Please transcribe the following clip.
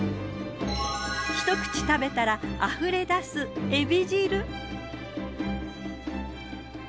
ひと口食べたらあふれだすエビ汁。